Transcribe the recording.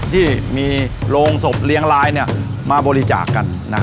ที่มีโรงศพเลี้ยงลายมาบริจาคกัน